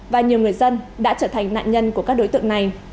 và nhiều người dân đã trở thành nạn nhân của các đối tượng này